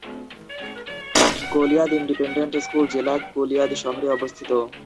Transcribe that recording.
গলিয়াদ independent school জেলা Goliad শহরে অবস্থিত।